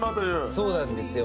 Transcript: そうなんですよ。